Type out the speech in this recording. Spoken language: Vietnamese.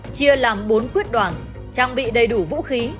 chia làm bốn quyết đoàn trang bị đầy đủ vũ khí